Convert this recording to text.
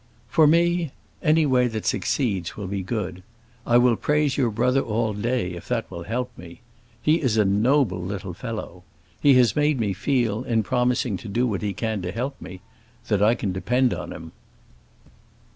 "For me, any way that succeeds will be good. I will praise your brother all day, if that will help me. He is a noble little fellow. He has made me feel, in promising to do what he can to help me, that I can depend upon him."